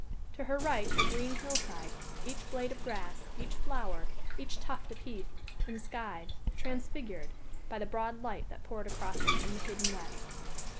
To her right a green hill side each blade of grass, each flower, each tuft of heath, enskied, transfigured, by the broad light that poured across it from the hidden west.